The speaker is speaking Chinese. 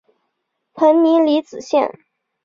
彭宁离子阱。